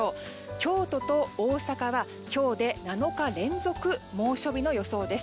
京都と大阪は今日で７日連続猛暑日の予想です。